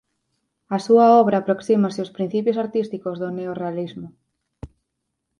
A súa obra aproxímase ós principios artísticos do Neorrealismo.